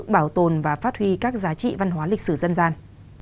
bảo tồn và phát huy các giá trị văn hóa lịch sử dân gian